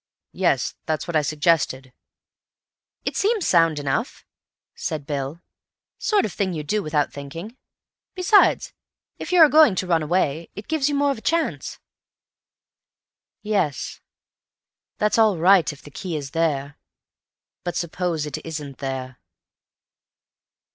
"Yes, that's what I suggest." "It seems sound enough," said Bill. "Sort of thing you'd do without thinking. Besides, if you are going to run away, it gives you more of a chance." "Yes, that's all right if the key is there. But suppose it isn't there?"